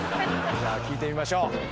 じゃあ聞いてみましょう。